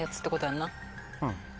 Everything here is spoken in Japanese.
うん。